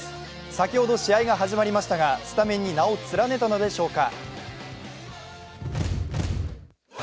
先ほど試合が始まりましたが、スタメンに名を連ねたのでしょうか？